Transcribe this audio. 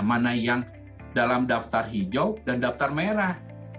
mana yang dalam daftar hijau dan daftar merah